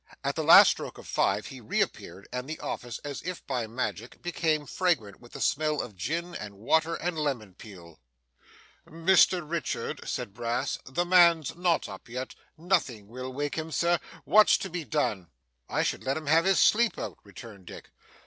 At the last stroke of five, he reappeared, and the office, as if by magic, became fragrant with the smell of gin and water and lemon peel. 'Mr Richard,' said Brass, 'this man's not up yet. Nothing will wake him, sir. What's to be done?' 'I should let him have his sleep out,' returned Dick.